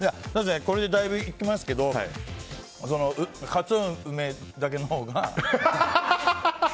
これでだいぶ、いけますけどカツオ梅だけのほうが。